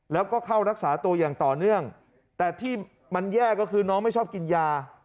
แล้วก็เข้ารักษาตัวอย่างต่อเนื่องแต่ที่มันแย่ก็คือน้องไม่ชอบกินยา